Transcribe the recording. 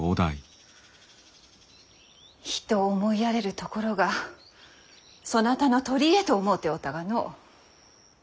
人を思いやれるところがそなたの取り柄と思うておったがの。